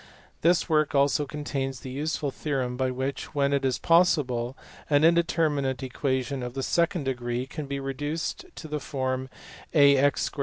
This work also contains the useful theorem by which, when it is possible, an indeterminate equation of the second degree can be reduced to the form ax 2 + by* + cz 2 = 0.